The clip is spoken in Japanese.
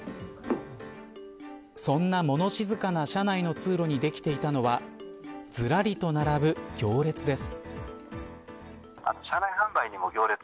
そんなもの静かな車内の通路にできていたのはずらりと並ぶ行列です。